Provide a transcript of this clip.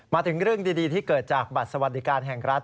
มาถึงเรื่องดีที่เกิดจากบัตรสวัสดิการแห่งรัฐ